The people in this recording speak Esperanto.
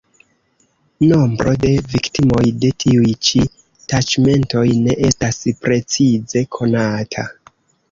Nombro de viktimoj de tiuj ĉi taĉmentoj ne estas precize konata.